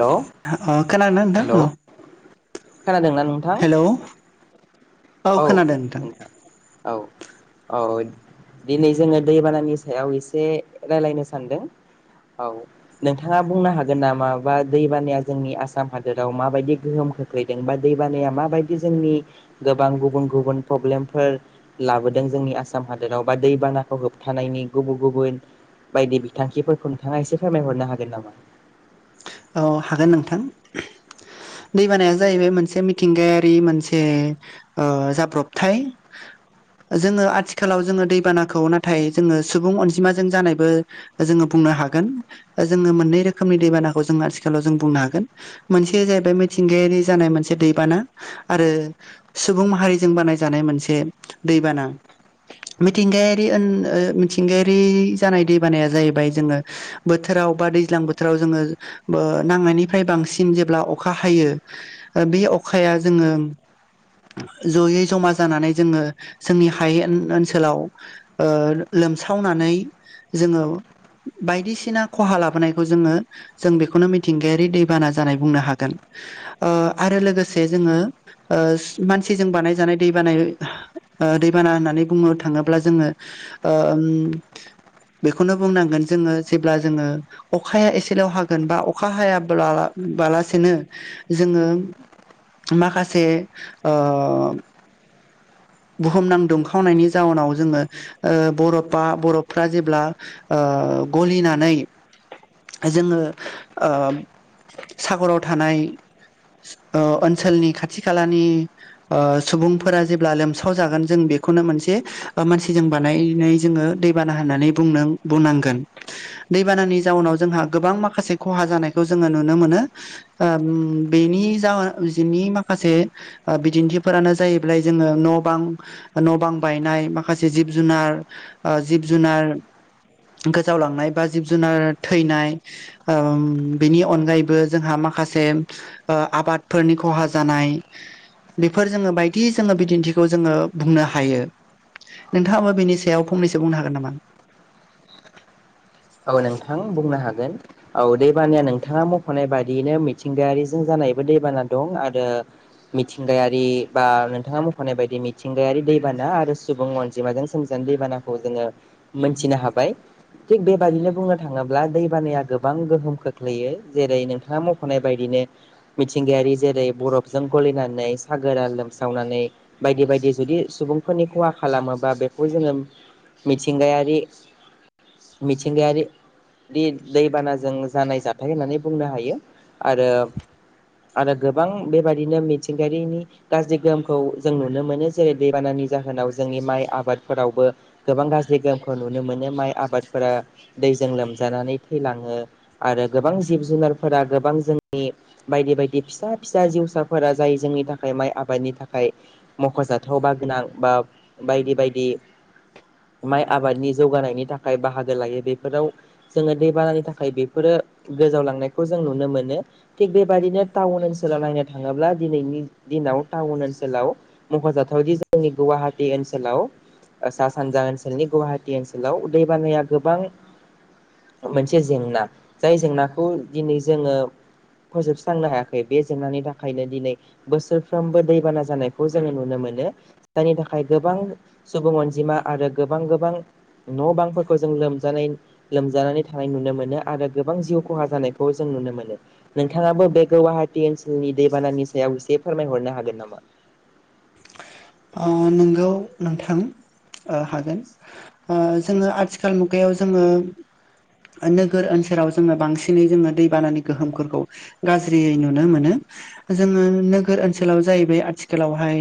हेल' अह खोनादो नोंथां हेल' अह। खोनादोंना नोंथां? औ नोंथां औ औ। दिनै जोङो दैबानानि सायाव एसे रायलायनो सानदों। औ नोंथाङा बुंनो हागोन नामा बा दैबानाया जोंनि आसाम हादोराव माबायदि गोहोम खोख्लैदों बा दै बानाया माबायदि जोंनि गोबां गुबुन गुबुन प्रब्लेमफोर लाबोदों जोंनि आसाम हादोराव बा दैबानाखौ होबथानायनि गुबु गुबुन बायदि बिथांखिफोरखौ नोंथाङा एसे फोरमायहरनो हागोन नामा? औ हागोन नोंथां। दैबानाया जाहैबाय मोनसे मिथिंगायारि मोनसे ओ जाब्रबथाय। जोङो आथिखालाव जोङो दैबानाखौ नाथाय जोङो सुबुं अनजिमाजों जानायबो जोङो बुं नो हागोन ओ जोङो मोन्नै रोखोमनि दैसाना खौ जों आथिखालाव जों बुंनो हागोन मोनसे जाहैबाय मिथिंगायारि जानाय मोनसे दैबाना आरो सुबुं माहारिजों बानायजानाय मोनसे दैबाना। मिथिंगायारि ओन ओ मिथिंगायारि जानाय दैबानाया जाहैबाय जोङो बोथोर ‍ बोथोराव बा दैज्लां बोथोराव जोङो ओ नांनायनिफ्राय बांसिन जेब्ला अखा हायो ओ बे अखाया जोङो जयै जमा जानानै जोङो जोंनि हायेन ओनसोलाव ओ लोमसावनानै जोङो बायदिसिना खहा लाबोनायखौ जोङो जों बेखौनो मिथिंगायारि दैबाना जानाय बुंनो हागोन ओ आरो लोगोसे जोङो ओ मानसिजों बानायजानाय दैबानाय ओ दैबाना होननानै बुंनो थाङोब्ला जोङो ओम बेखौनो बुंनांगोन जोङो जेब्ला जोङो अखाया एसेल' हा होन बा अखा हायाब्लाबालासेनो जोङो माखासे ओ बुहुमनां दुमखावनायनि जाउनाव जोङो ओ बर'पा बर'पफ्रा जेब्ला ओ ओ गलिनानै जोङो ओ साग'राव थानाय ओ ओनसोलनि खाथि खालानि ओ सुबुंफोरा जेब्ला लोम साव जागोन जों बेखौनो मोनसे ओ मानसि जों बानायनाय जोङो दै बाना होननानै बुंनां बुंना गोन दैबानानि जाअनाव जोंहा गोबां माखासे खहा जानायखौ जों नुनो मोनो ओ उम बेनि [inaudible] बेनी माखासे ओ बिदिन्थिफोरानो जाहैबाय जोङो न' बां न' बां बायनाय माखासे जिब जुनार ओ जिब जुनार गोजावलांनाय बा जिब जुनार थैनाय ओ बिनि अनगायैबो जोंहा मा खासे ओ आबादफोरनि खहा जानाय बेफोर जोङो बायदि जोङो बिदिन्थि जोङो बुंनो हायो नोंथाङाबो बेनि सायाव फंनैसो बुंनो हागोन नामा? [unintelligible] औ नोंथां बुंनो हागोन औ दैबानाया नोंथाङा मख'नाय बायदियैनो मिथिंगायारिजों जाना [unintelligible] दैबाना दं आरो मिथिंगायारि बा नोंथाङा मख'नाय बायदि मिथिंगायारि दै बाना आरो सुबुं अनजिमाजों सोमजिनानै दैबानाखौ जोङो मोनथिनो हाबाय थिख बे बाददिनो बुंनो थाङोब्ला दैबानाया गोबां गोहोम खोख्लैयो जेरै नोंथाङा मख'नाय बायदिनो मिथिंगायारि जेरै बरफजों गलिनानै सागोरा लोमस्रावनानै बायदि बायदि जुदि सुबुंफोरनि खहा खालामोबा बेखौ जोङो मिथिंगायारि [inaudible] मिथिंगायारि [unintelligible] दैबानाजों जानाय जाथाय होननानै बुंनो हायो आरो आरो गोबां बेबायाददिनो मिथिंगायारिनि गाज्रि गोहोमखौ जों नुनो मोनो जेरै दैबाना नि जाहोनाव जोंनि माइ आबादफोरावबो गोबां गाज्रि गोहोमखौ नुनो मोनो माइ आबाद फोरा दैजों लोमजानानै थैलाङो आरो गोबां जिब जुनारफोरा गोबां जोंनि बायदि बायदि फिसा फिसा जिउसाफोरा जाय जोंनि थाखाय माइ आबादनि थाखाय मख'जाथाव बा गांनां बा बायदि बायदि माइ आबादनि जौगानायनि थाखाय बाहा गोलायो बेफोराव जोङो दैबानानि थाखाय बेफोरो गोजावलांनायखौ जों नुनो मोनो थिख बेबादिनो टाउन ओनसोलाव नायनो थाङोब्ला दिनैनि दिनाव टाउन ओनसोलाव मख'जाथाव [unintelligible] जोंनि गुवाहाटी ओनसोलाव ओ सा सानजा ओनसोलनि गुहाटी ओनसोलाव दै बानाया गोबां मोनसे जेंना जाय जेंनाखौ दिनै जोङो फोजोबस्रांनो हायाखै बे जेंनानि थाखायनो दिनै बोसोरफ्रोमबो दैबाना जानायखौ जोङो नुनो मो नो जायनि थाखाय गोबां सुबुं अनजिमा आरो गोबां गोबां न' बांफोर खौ जों लोमजानाय लोमजानानै थानाय नुनो मोनो आरो गोबां जिउ खहा जानायखौ जों नुनो मोनो नोंथाङाबो बे गुवाहाटी ओनसोलनि दैबानानि सायाव इसे फोरमायहरनो हागोन नामा? ओ नोंगौ नोंथां ओ हागोन ओ जोङो आथिखाल मुगायाव जोङो नोगोर ओनसोलाव जोङो बांसिनै जोङो दैबानानि गोहोमफोरखौ गाज्रियै नुनो मोनो। जोङो नोगोर ओनसोलाव जाहैबाय आथिखालावहाय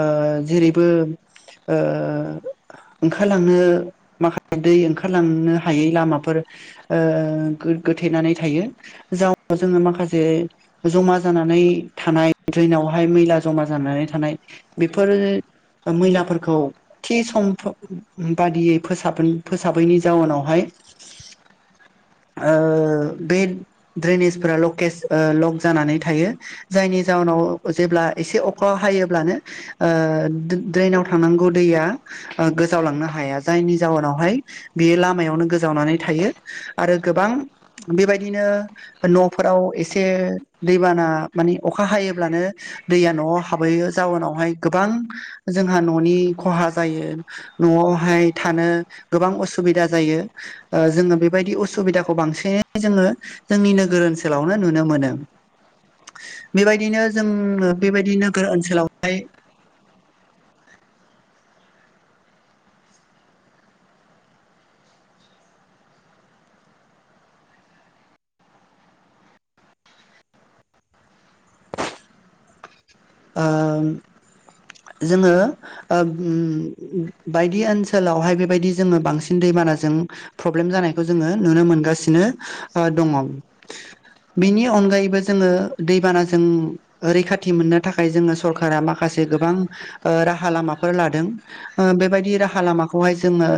ओ जेरैबो ओ ओंखारलांनो माखा [inaudible] दै ओंखारलांनो हायै लामाफोर ओ गोथेनानै थायो [inaudible] जोङो माखासे जमा जाना नै थानाय द्रेनावहाय मैला जमा जानानै थानाय बेफोरो ओ मैलाफोरखौ थि सम [unintelligible] बादियै फोसाब फोसाबैनि जाउनावहाय [inaudible] ओ बे द्रेनेसफोरा लकेज ओ लक जानानै थायो जायनि जाउाव नाव जेब्ला इसे अखा हायोब्लानो ओ दे ड्रनाव थांनांगौ दैया ओ गोजावलांनो हाया जायनि जाहनावहाय बेयो लामायावनो गोजावनानै थायो आरो गोबां बेबायदिनो न'फो फोराव एसे दैबाना माने अखा हायोब्लानो दैया न'आव हाबहैयो। जाउनावहाय गोबां जोंहा न'नि खहा जायो न'आवहाय थानो गोबां असुबिदा जायो ओ जोङो बेबायदि असुबिदाखौ बांसिनै जोङो जोंनि नो गोर ओनसोलावनो नुनो मोनो बेबायदिनो जों बेबायदिनो नोगोर ओनसोलाव हाय ओ जोङो ओ उम बायदि ओनसोलावहाय बेबायदि जोङो बांसिन दै बानाजों फ्र'ब्लेम जानायखौ जोङो नुनो मोनगासिनो ओ दंङ। बिनि अनगायैबो जोङो दैबानाजों रैखाथि मोननो थाखाय जोङो सरकारा माखासे गोबां ओ राहा लामाफोर लादों ओ बेबायदि राहा लामा खौहाय जोङो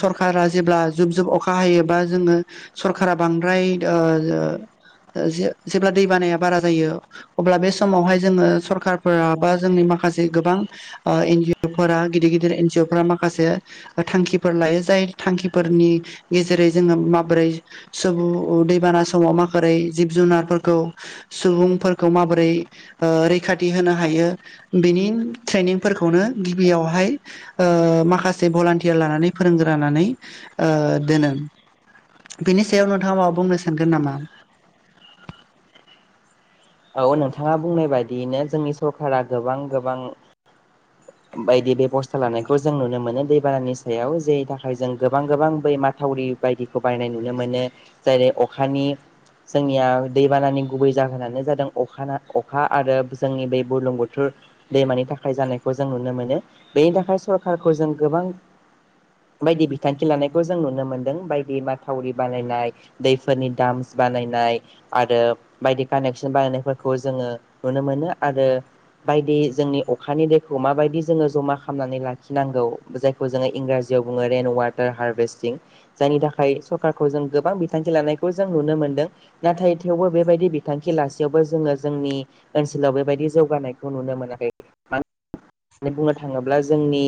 सरखारा जेब्ला जुब जुब अखा हायो बा जोङो सरखारा बांद्राय ओ ओ ओ जे-जेब्ला दै बानाया बारा जायो अब्ला बे समावहाय जोङो सरखारफोरा बा जोंनि माखासे गोबां ओ एन जि अ' फोरा गिदिर गिदिर एन जि अ' फोरा माखासे थांखिफोर लायो जाय थांखिफोरनि गेजेरै जोङो माबोरै सुबुं दैबाना समाव माबोरै जिब जुनारफोरखौ सुबुंफोरखौ माबोरै ओ रैखा थि होनो हायो बेनि ट्रेनिंगफोरखौनो गिबियावहाय ओ माखासे भलान्टियार लानानै फोरोंग्रा लानानै ओ दोनो। बिनि सायाव नोंथांङा माबा बुंनो सानगोन नामा? [inaudible] औ नोंथाङा बुंनाय बायदियैनो जोंनि सरखारा गोबां गोबां बायदि बेब'स्था लानायखौ जों नुनो मोनो दैबानानि सायाव जेनि थाखाय जों गोबां गोबां बै मा थावरि बायदिखौ बायनाय नुनो मोनो जेरै अखानि जोंनिया दैबानानि गुबै जाहोनानो जादों अखाना अखा आरो जोंनि बेै बुरलुंबुथुर दैमानि थाखाय जानायखौ जों नुनो मोनो बेनि थाखाय सरखारखौ जों गोबां बायदि बिथांखि लानायखौ जों नुनो मोनदों बायदि माथावरि बानायनाय दैफोरनि दाम बानायनाय आरो बायदि कानेक्सन बानायनायफोरखौ जोङो नुनो मोनो आरो बायदि जोंनि अखानि दै खौ माबायदि जोङो जमा खालामनानै लाखिनांगौ जायखौ जोङो इंराजियाव बुङो रेन वाटार हारभेस्ट जायनि थाखाय सरखारखौ जों गोबां बिथांखि लानायखौ जों नुनो मोनदों नाथाय थेवबो बेबाय दि बिथांखि लासेयावबो जोङो जोंनि ओनसोलाव बेबायदि जौगानायखौ नुनो मोनाखै। [inaudible] होननानै बुंनो थाङोब्ला जोंनि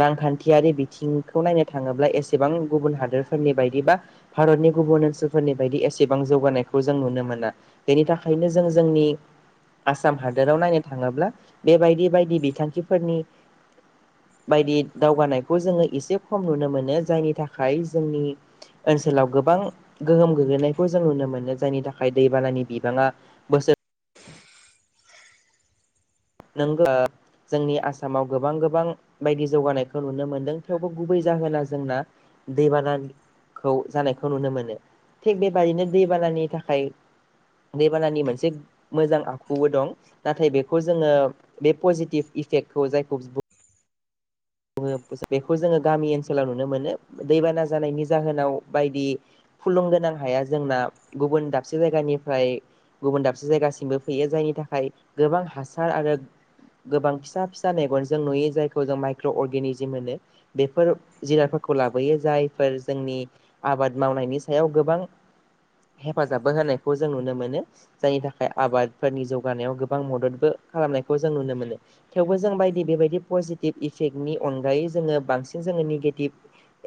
रांखान्थियारि बिथिंखौ नायनो थाङोब्ला एसेबां गुबुन हा रिफोरनि बायदि बा भारतनि गुबुन ओनसोलफोरनि बायदि एसेबां जौगानायखौ जों नुनो मोना बेनि थाखायनो जों जोंनि आसाम हादोराव नायनो थाङोब्ला बेबायदि बाय दि बिथांखिफोरनि बायदि दावगानायखौ जोङो एसे खम नुनो मोनो जायनि थाखाय जोंनि ओनसोलाव गोबां गोहोम गोग्लैनायखौ जों नुनो मोनो जायनि थाखाय दैबानानि बिबाङा बोसो [unintelligible] जोंनि आसामाव गोबां गोबां बायदि जौगानायखौ नुनो मोनदों थेवबो गुबै जाहोना जोंना दैबानानि। खौ जानायखौ नुनो मोनो थिग बेबादिनो दैबानानि थाखाय दैबानानि मोनसे मोजां आखुबो दं नाथाय बेखौ जोङो बे पजिटिभ इफेक्टखौ जायखौ बुंङो बेखौ जोङो गामि ओनसोलाव नुनो मोनो दैबाना जानायनि जाहोनाव बायदि फुलुं गोनां हाया जोंना गुबुन दाबसे जायगानिफ्राय गुबुन दाबसे जायगासिमबो फैयो जायनि थाखाय गोबां हासार आरो गोबां फिसा फिसा मेगनजों नुयो जायखौ जों माइ क्र' अरगेनिजोम होनो बेफोर जिरादफोरखौ लाबोयो जायफोर जोंनि आबाद माव नायनि सायाव गोबां हेफाजाबबो होनायखौ जों नुनो मोनो जायनि थाखाय आबादफोरनि जौगानायाव गोबां मददबो खालामनायखौ जों नुनो मोनो थेवबो जों बायदि बेबायदि पजिटिभ इफेक्टनि अनगायै जोङो बांसिन जोङो निगेटिभ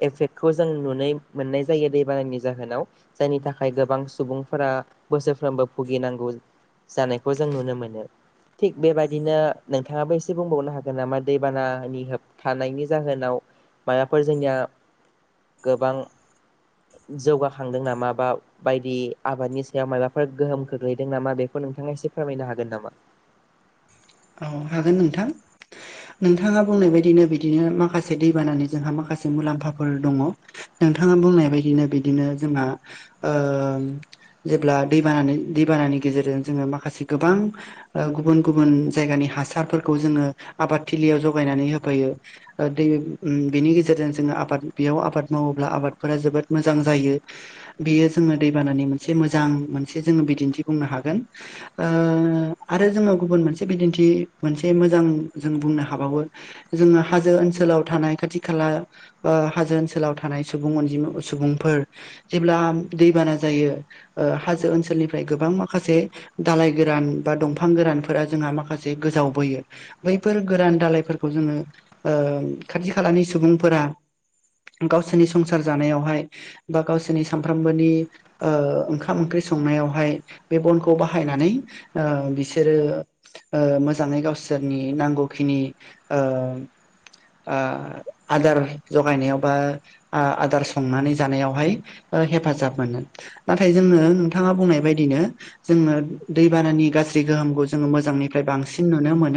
इफेक्टखौ जों नुनो मोननाय जायो दैबानानि जाहोनाव जायनि थाखाय गोबां सुबुंफोरा बोसोरफ्रोमबो भुगिनांगौ जानायखौ जों नुनो मोनो थिग बेबायदिनो नोंथाङाबो एसे बुंबावनो हागोन नामा दैबाना नि होबथानायनि जाहोनाव माबाफोर जोंनिया गोबां जौगाखांदों नामा बा बायदि आबादनि सायाव माबाफोर गोहोम खोख्लैदों नामा बेखौ नोंथाङा एसे फोरमायनो हागोन नामा औ हागोन नोंथां नोंथाङा बुंनाय बायदिनो बिदिनो माखासे दै बानानानै जोंहा माखासे मुलाम्फाफोर दङ नोंथाङा बुंनाय बायदिनो बिदिनो जोंहा जेब्ला दै दैबानानि गेजेरजों जोङो माखासे गोबां गुबुन गुबुन जायगानि हासारफोरखौ जोङो आबादथिलियाव जगायनानै होफैयो दै बेनि गेजेरजों जोङो आबाद बेयाव आबाद मावोब्ला आबादफोरा जोबोद मोजां जायो बेयो जोङो दैबानानि मोनसे मोजां मोनसे जोङो बिदिन्थि बुंनो हागोन ओ आरो जोङो गुबुन मोनसे बिदिन्थि मोनसे मोजां जों बुंनो हाबावो जोङो हाजो ओनसोलाव थानाय खाथि खाला हाजो ओनसोलाव थानाय सुबुं अनजिम सुबुंफोर जेब्ला दैान बाना जायो ओ हाजो ओनसोलनिफ्राय गोबां माखासे दालाइ गोरान बा दंफां गोरान जोंहा माखासे गोजावबोयो बैफोर गोरान दाालइ जोङो खाथि खालाम नि सुबुंफोरा गावसोरनि संसार जानायावहाय बा गावसोरनि सानफ्रामबोनि ओंखाम ओंख्रि संनायावहाय बे बनखौ बाहायनानै ओ बिसोरो ओ मोजाङै गावसोरनि नांगौखिनि ओ ओ आदार जगायनायाव बा आदार संनानै जानायावहाय हेफाजाब मोनो नाथाय जोंङो नोंथाङा बुंनाय बायदिनो जोंङनो दैबानानि गासै [unintelligible] जोङो मोजांनिफ्राय बांसिन नुनो मोन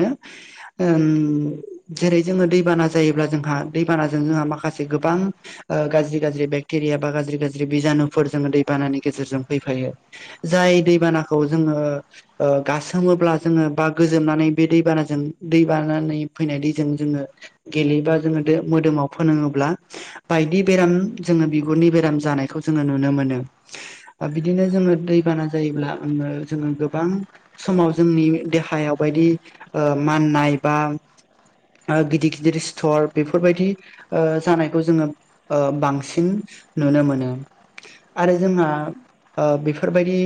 ओम जेरै जोङो दैबाना जायोब्ला ज जोंहा दैबानाजों जोंहा माखासे गोबां ओ गाज्रि गाज्रि बेकतेरिया बा गाज्रि गाज्रि बिजानुफोर जोङो दैबानानि गेजेरजों फैफायो जाय दैबानाखौ जोङो ओ गा साङोब्ला जोङो बा गोजोबनानै बे दैबानाजों दै बानानै फैनाय दैजों जोङो गेले ज मोदोमाव फोनङोब्ला बायदि बेराम जोङो बिगुरनि बेराम जानायखौ जोङो नु नुनो मोनो बिदिनो जोङो दैबाना जायोब्ला जोङो गोबां समाव जोंनि देहायाव बायदि माननाय बा गिदिर गिदिर स्थर बेफोरबायदि जानायखौ जोङो बांसिन नुनो मोनो आरो जोंहा बेफोरबायदि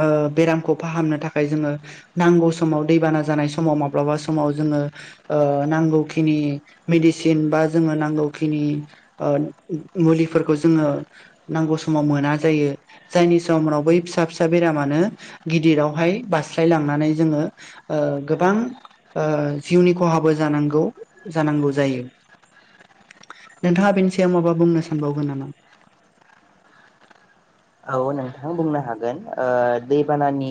ओ बेरामखौ फाहानो थाखाय जोङो नांगौ समाव दैबाना जानाय समाव माब्लाबा समाव जोङो नांगौखिनि मेदिसिन बा जोङो नांगौखिनि मुलिफोरखौ जोङो नांगौ समाव मोना जायो जायनि समनाव बै फिसा फिसा बेरामानो गिदिरावहाय बारस्लाय लांनानै जोङो गोबां जिउनि खहाबो ज जानांगौ जायो। [inaudible] नोंथाङा बेनि सायाव माबा बुंनो सानबावगोन नामा [inaudible] औ नोंथां बुंनो हागोन दैबानानि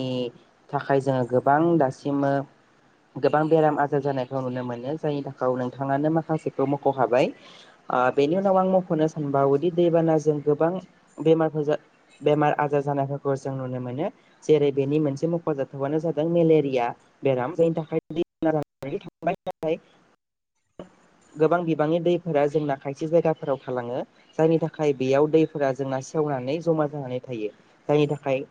थाखाय जोङो गोबां दासिम [unintelligible] गोबां बेराम आजार जानायखौ नुनो मोनो जायनि थाखाय नोंथाङानो माखासेखौ मख' हाबाय बेनि उनाव आं मख'नो सानबावोदि दैबानाजों गोबां बेमारफोर बेमार आजार जानायफोरखौ जों नुनो मोनो जेरै बेनि मोनसे मख'जाथावनो जादों मेलेरिया बेराम जिनि थाखाय थांबाय नथाय गोबां बिबांनि दैफोरा जोंना खायसे जायगाफोराव थालाङो। जायनि थाखाय बेयाव दैफोरा जोंना सेवनानै जमा जानानै थायो। जायनि थाखाय